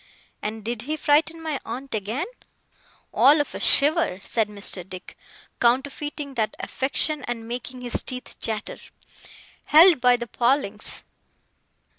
'And did he frighten my aunt again?' 'All of a shiver,' said Mr. Dick, counterfeiting that affection and making his teeth chatter. 'Held by the palings.